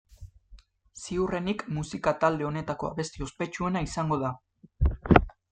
Ziurrenik musika talde honetako abesti ospetsuena izango da.